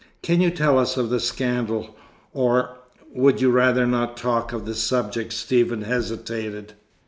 "Can you tell us of the scandal, or would you rather not talk of the subject?" Stephen hesitated.